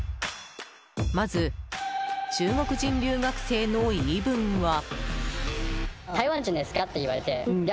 まず中国人留学生の言い分は。